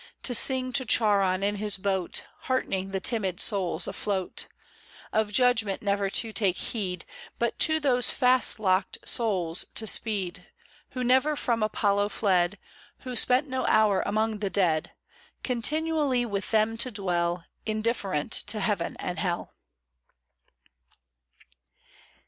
To sing to Charon in his boat. Heartening the timid souls afloat ; Of judgment never to take heed. But to those fast locked souls to speed, Who never from Apollo fled. Who spent no hour among the dead ; Continually With them to dwell. Indifferent to heaven and hell.